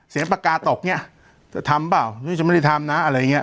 ปากกาตกเนี่ยจะทำเปล่าหรือจะไม่ได้ทำนะอะไรอย่างเงี้